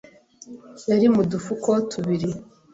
yari mu dufuko tubiri